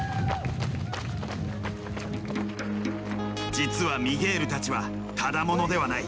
実はミゲールたちはただ者ではない。